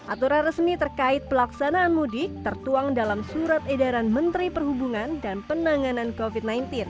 aturan resmi terkait pelaksanaan mudik tertuang dalam surat edaran menteri perhubungan dan penanganan covid sembilan belas